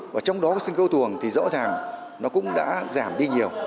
và trong đó sân khấu tuồng thì rõ ràng nó cũng đã giảm đi nhiều